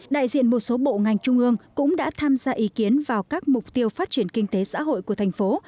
đại diện một số bộ ngành trung ương cũng đã tham gia ý kiến vào các mục tiêu phát triển kinh tế xã hội của thành phố